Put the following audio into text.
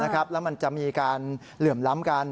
แล้วมันจะมีการเหลื่อมล้ำกัน